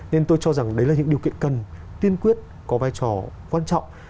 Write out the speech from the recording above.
nên tôi cho rằng đấy là những điều kiện cần tiên quyết có vai trò quan trọng